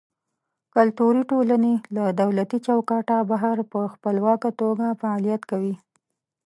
کلتوري ټولنې له دولتي چوکاټه بهر په خپلواکه توګه فعالیت کوي.